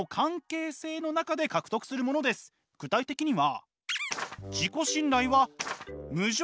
全て具体的には。